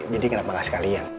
jadi kenapa gak sekalian